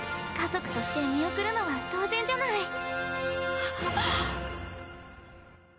家族として見送るのは当然じゃない。